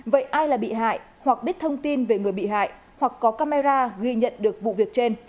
vậy ai là bị hại hoặc biết thông tin về người bị hại hoặc có camera ghi nhận được vụ việc trên